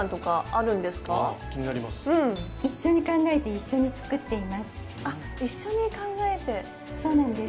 一緒に考えて一緒に作っています。